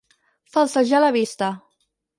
Falsejar la vista.